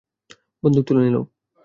বন্দুক তুলে নিলো।